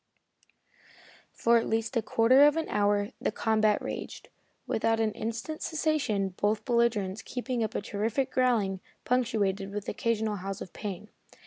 For at least a quarter of an hour the combat raged, without an instant's cessation, both belligerents keeping up a terrific growling, punctuated with occasional howls of pain.